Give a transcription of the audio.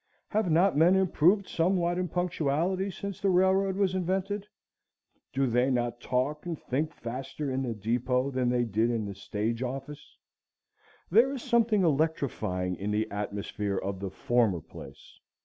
Have not men improved somewhat in punctuality since the railroad was invented? Do they not talk and think faster in the depot than they did in the stage office? There is something electrifying in the atmosphere of the former place.